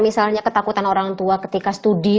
misalnya ketakutan orang tua ketika studi